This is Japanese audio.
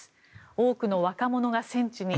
多くの若者が戦地に。